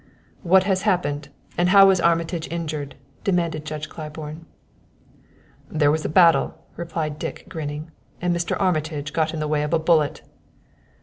"What has happened, and how was Armitage injured?" demanded Judge Claiborne. "There was a battle," replied Dick, grinning, "and Mr. Armitage got in the way of a bullet."